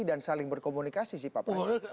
dan saling berkomunikasi sih pak pak